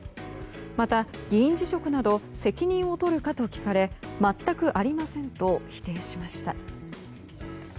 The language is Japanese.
また、議員辞職など責任を取るかと聞かれ全くありませんと否定しました。